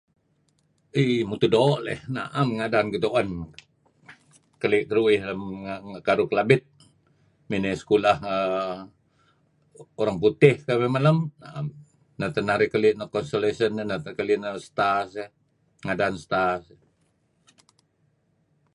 Iih mutuh doo' leh naem ngadan gituen keli keduih karuh Kelabit. Miney sekolah Orang Putih tbe' narih malem narih keli' nuk constellation stars, ngadan stars.